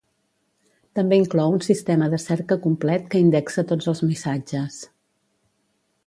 També inclou un sistema de cerca complet que indexa tots els missatges.